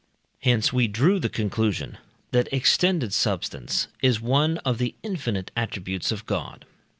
Hence we drew the conclusion that extended substance is one of the infinite attributes of God.